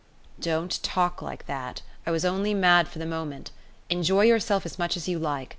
"Don't talk like that. I was only mad for the moment. Enjoy yourself as much as you like.